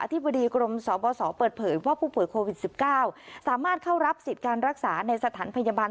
ธิบดีกรมสบสเปิดเผยว่าผู้ป่วยโควิด๑๙สามารถเข้ารับสิทธิ์การรักษาในสถานพยาบาล